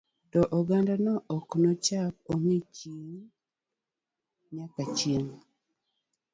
To ogandano, ok nochak ongi chieng nyaka chieng